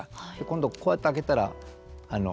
今度こうやって開けたら。